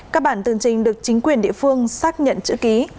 các bản tường trình được chính quyền địa phương xác nhận chữ ký